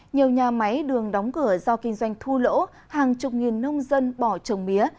nhiều nhà máy đường đóng cửa do kinh doanh thu lỗ hàng chục nghìn nông dân bỏ trồng mía